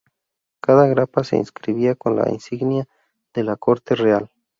Cada grapa se inscribía con la insignia de la corte real.